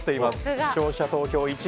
視聴者投票１位。